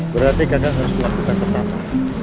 berarti kadang harus melakukan pertama